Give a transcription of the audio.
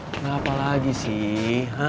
kenapa lagi sih